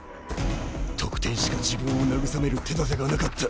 得点しか自分を慰める手だてがなかった。